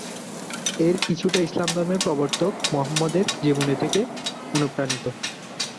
এর কিছুটা ইসলাম ধর্মের প্রবর্তক মুহাম্মাদ এর জীবনী থেকে অনুপ্রাণিত।